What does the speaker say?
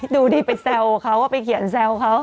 ดูดิไปแซวเขาไปเขียนแซวเขา